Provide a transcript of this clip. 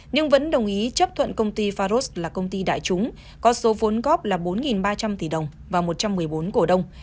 nhưng vẫn đồng ý chấp thuận công ty faros là công ty đại chúng có số vốn góp là bốn ba trăm linh tỷ đồng và một trăm một mươi bốn cổ đông